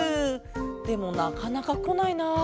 でもなかなかこないな。